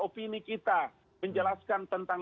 opini kita menjelaskan tentang